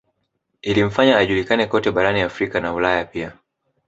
Ilimfanya ajulikane kote barani Afrika na Ulaya pia